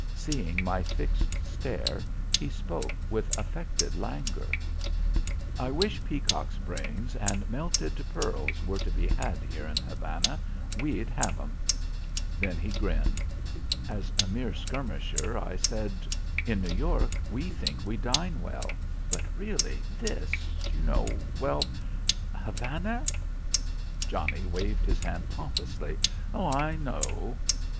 Seeing my fixed stare, he spoke with affected languor: "I wish peacocks' brains and melted pearls were to be had here in Havana. We'd have 'em." Then he grinned. As a mere skirmisher I said, "In New York, we think we dine well; but really this, you know well Havana " Johnnie waved his hand pompously. "Oh, I know."